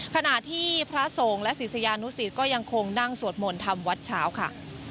ขณะที่พระสงฆ์และศิษยานุสิตก็ยังคงนั่งสวดมนต์ทำวัดเช้าค่ะ